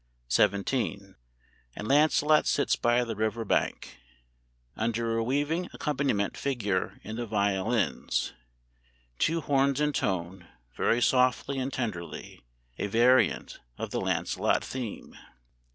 ] XVII. "AND LANCELOT SITS BY THE RIVER BANK" [Under a weaving accompaniment figure in the violins, ppp, two horns intone, very softly and tenderly, a variant of the Lancelot theme.